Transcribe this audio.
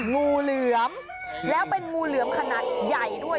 งูเหลือมแล้วเป็นงูเหลือมขนาดใหญ่ด้วย